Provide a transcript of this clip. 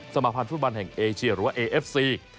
มาพันธ์ฟุตบอลแห่งเอเชียหรือว่าเอเอฟซี